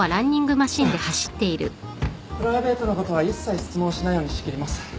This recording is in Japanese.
プライベートなことは一切質問しないように仕切ります。